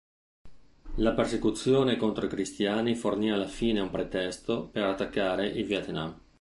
La persecuzione contro i cristiani fornì alla fine un pretesto per attaccare il Vietnam.